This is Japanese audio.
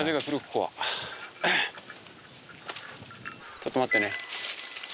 ちょっと待ってね。